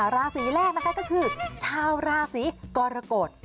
ราศีแรกนะคะก็คือชาวราศีกรกฎ